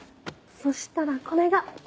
そしたらこれが。